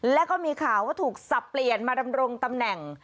แล้วก็มีข่าวว่าถูกสับเปลี่ยนมาดำรงตำแหน่ง